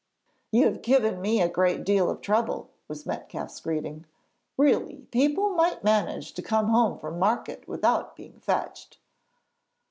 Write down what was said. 'You have given me a great deal of trouble,' was Metcalfe's greeting. 'Really, people might manage to come home from market without being fetched.'